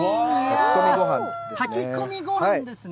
炊き込みごはんですね。